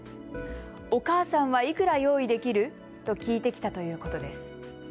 お母さんはいくら用意できると聞いてきたということです。